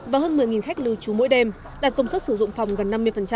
và hơn một mươi khách lưu trú mỗi đêm đạt công suất sử dụng phòng gần năm mươi